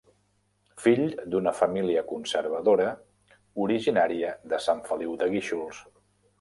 Fill d'una família conservadora originària de Sant Feliu de Guíxols.